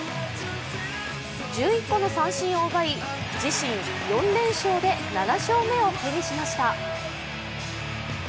１１個の三振を奪い、自身４連勝で７勝目を手にしました。